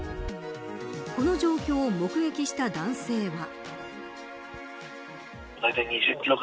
この状況を目撃した男性は。